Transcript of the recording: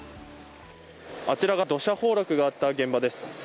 あちらが土砂崩落があった現場です。